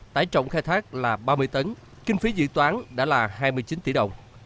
tải trọng khai thác là ba mươi tấn kinh phí dự toán đã là hai mươi chín tỷ đồng